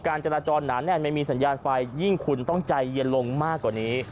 จราจรหนาแน่นไม่มีสัญญาณไฟยิ่งคุณต้องใจเย็นลงมากกว่านี้